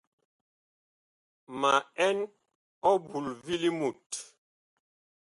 Ma ɛn ɔbul vi limut.